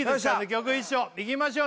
曲一緒いきましょう